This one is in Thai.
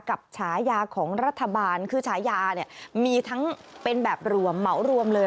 ฉายาของรัฐบาลคือฉายาเนี่ยมีทั้งเป็นแบบรวมเหมารวมเลย